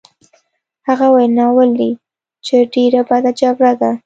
هغه وویل: ناولې! چې ډېره بده جګړه ده.